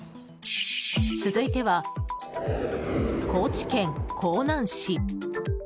続いては高知県香南市。